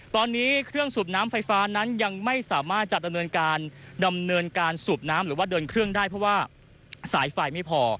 ตอนนี้เครื่องสูบน้ำไฟฟ้านั้นยังไม่สามารถจัดดำเนินการดำเนินการสูบน้ำหรือว่าเดินเครื่องได้เพราะว่าสายไฟไม่พอ